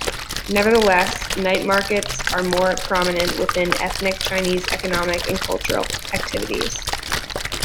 Nevertheless, night markets are more prominent within ethnic Chinese economic and cultural activities.